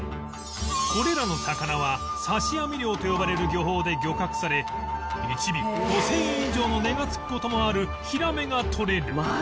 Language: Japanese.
これらの魚は刺し網漁と呼ばれる漁法で漁獲され１尾５０００円以上の値がつく事もあるヒラメがとれる